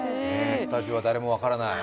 スタジオは誰も分からない。